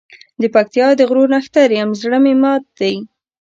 دپکتیا د غرو نښتر یم زړه مي مات دی